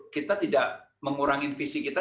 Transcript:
kita tidak mengurangi visi kita